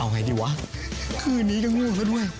เอาไงดีวะคืนนี้กันหัวแล้วด้วย